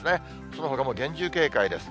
そのほかも厳重警戒です。